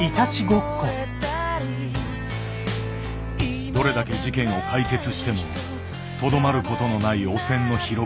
どれだけ事件を解決してもとどまることのない汚染の広がり。